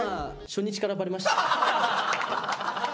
初日からもうバレました。